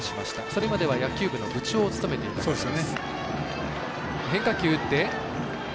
それまでは、野球部の部長を務めていました。